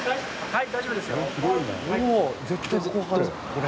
はい。